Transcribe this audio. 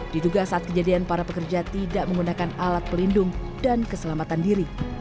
diduga saat kejadian para pekerja tidak menggunakan alat pelindung dan keselamatan diri